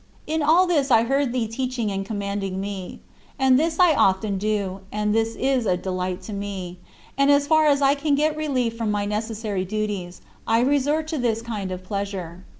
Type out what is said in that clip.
In all this I heard thee teaching and commanding me. And this I often do and this is a delight to me and as far as I can get relief from my necessary duties, I resort to this kind of pleasure.